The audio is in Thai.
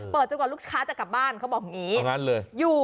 จนกว่าลูกค้าจะกลับบ้านเขาบอกอย่างนี้เลย